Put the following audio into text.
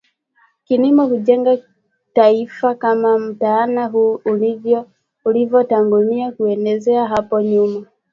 Kilimo hujenga taifaKama mtaala huu ulivotangulia kuelezea hapo nyuma